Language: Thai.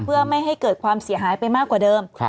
เพื่อไม่ให้เกิดความเสียหายไปมากกว่าเดิม